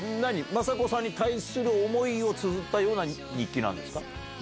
正子さんに対する思いをつづったような日記なんですか？